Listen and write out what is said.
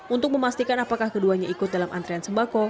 untuk memastikan apakah keduanya ikut dalam antrean sembako